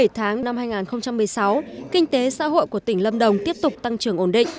bảy tháng năm hai nghìn một mươi sáu kinh tế xã hội của tỉnh lâm đồng tiếp tục tăng trưởng ổn định